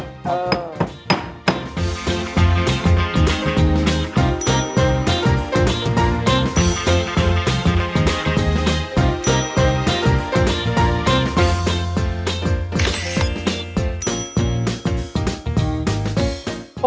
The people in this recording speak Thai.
เออ